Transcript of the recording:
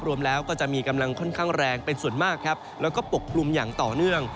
รวมแล้วก็จะมีกำลังค่อนข้างแรงเป็นส่วนมากครับแล้วก็ปกกลุ่มอย่างต่อเนื่อง